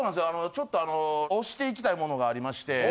あのちょっと推していきたいものがありまして。